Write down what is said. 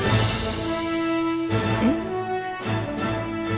えっ？